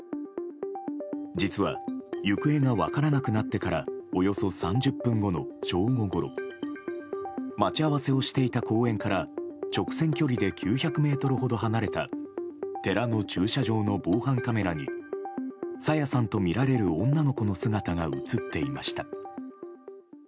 実は行方が分からなくなってからおよそ３０分後の正午ごろ待ち合わせをしていた公園から直線距離で９００ｍほど離れた寺の駐車場の防犯カメラに朝芽さんとみられる女の子の姿が映っていました。